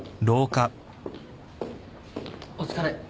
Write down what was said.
お疲れ。